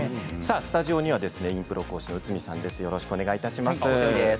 スタジオにはインプロ講師の内海さんです。